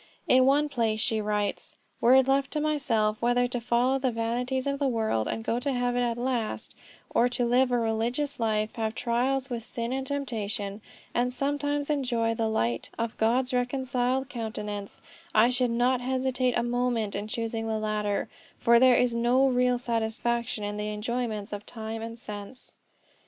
In one place she writes: "Were it left to myself whether to follow the vanities of the world, and go to heaven at last, or to live a religious life, have trials with sin and temptation, and sometimes enjoy the light of God's reconciled countenance, I should not hesitate a moment in choosing the latter, for there is no real satisfaction in the enjoyments of time and sense."